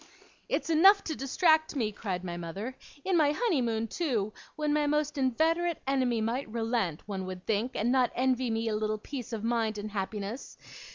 'It's enough to distract me,' cried my mother. 'In my honeymoon, too, when my most inveterate enemy might relent, one would think, and not envy me a little peace of mind and happiness.